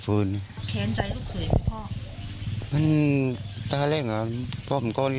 เคยมีจะส้วยกว่าลูกเอง